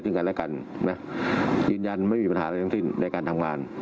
ยืนยันไม่มีปัญหาอะไรชังสิ้นในการทำงาน